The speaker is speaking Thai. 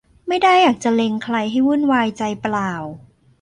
ไม่ได้อยากจะเล็งใครให้วุ่นวายใจเปล่า